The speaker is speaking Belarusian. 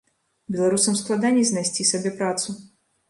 Беларусам складаней знайсці сабе працу.